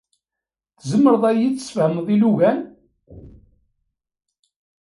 Tzemreḍ ad iyi-d-tesfehmeḍ ilugan?